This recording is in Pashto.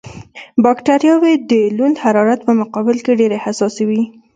بکټریاوې د لوند حرارت په مقابل کې ډېرې حساسې وي.